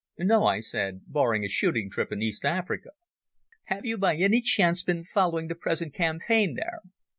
"No," I said, "barring a shooting trip in East Africa." "Have you by any chance been following the present campaign there?"